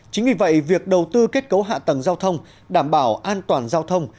chính vì vậy việc đầu tư kết cấu hạ tầng giao thông đảm bảo an toàn giao thông